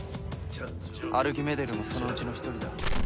アルキメデルもそのうちの一人だ。